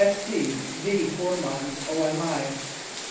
"(Sd.) V. FOURMOND, O.M.I.